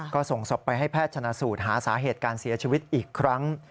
ก็ส่งศพไปให้แพทย์ชนะสูตรหาสาเหตุการเสียชีวิตอีกครั้ง